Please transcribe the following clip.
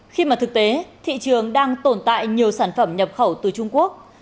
khi mà thực tế thị trường đang tồn tại nhiều sản phẩm nhập khẩu từ trung quốc